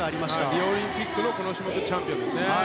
リオオリンピックのこの種目のチャンピオンですね。